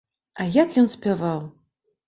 А як ён спяваў!